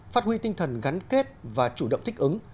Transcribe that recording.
phát huy tinh thần gắn kết và chủ động thích ứng